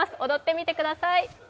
踊ってみてください。